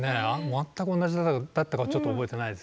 全く同じだったかはちょっと覚えてないですけど。